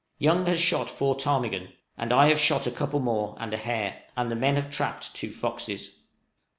Young has shot four ptarmigan, and I have shot a couple more and a hare, and the men have trapped two foxes.